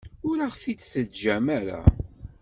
Ur aɣ-t-id-teǧǧam ara.